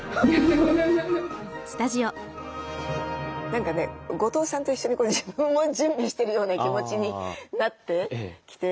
何かね後藤さんと一緒に自分も準備してるような気持ちになってきて。